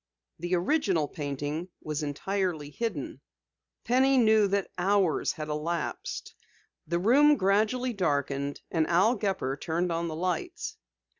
The original painting was entirely hidden. Penny knew that hours had elapsed. The room gradually darkened, and Al Gepper turned on the lights.